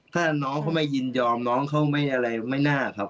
ถ้าน้องเขาไม่ยินยอมน้องเขาไม่อะไรไม่น่าครับ